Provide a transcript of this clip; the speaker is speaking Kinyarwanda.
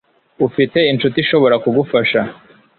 Ufite inshuti ishobora kugufasha?